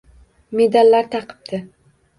Medallar taqibdi